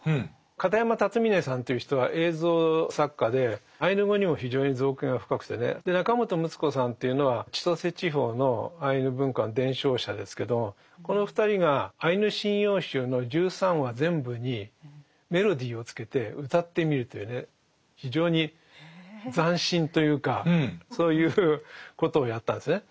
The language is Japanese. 片山龍峯さんという人は映像作家でアイヌ語にも非常に造詣が深くてね中本ムツ子さんというのは千歳地方のアイヌ文化の伝承者ですけどこの２人が「アイヌ神謡集」の１３話全部にメロディーをつけてうたってみるというね非常に斬新というかそういうことをやったんですね。